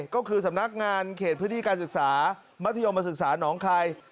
ก็คือสำนักงานเขตพฤษฐีการศึกษามยมาศึกษาหนองคลาย